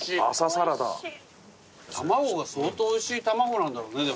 卵が相当おいしい卵なんだろうね。